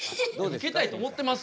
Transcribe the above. ウケたいと思ってます。